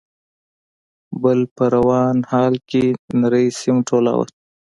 ، بل په روان حال کې نری سيم ټولاوه.